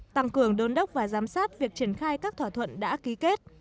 tăng cường đôn đốc và giám sát việc triển khai các thỏa thuận đã ký kết